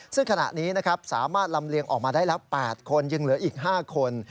ซึ่งขณะนี้สามารถลำเลียงออกมาได้๘คนยังเหลืออีก๕คน